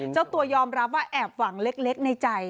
เจ้าตัวยอมรับว่าแอบหวังเล็กในใจ